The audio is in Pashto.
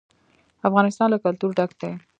افغانستان له کلتور ډک دی.